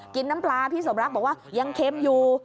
กินน้ำปลาพี่สมรักบอกว่ายังเค็มอยู่